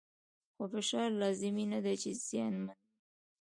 خو فشار لازمي نه دی چې زیانمن وي.